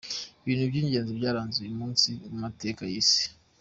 Ibintu by’ingeni byaranze uyu munsi mu mateka y’isi:.